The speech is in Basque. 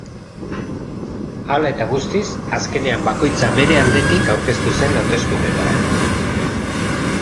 Hala eta guztiz, azkenean bakoitzak bere aldetik aurkeztu zen hauteskundeetara.